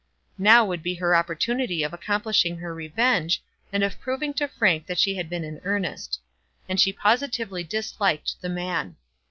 Now would be her opportunity of accomplishing her revenge, and of proving to Frank that she had been in earnest. And she positively disliked the man.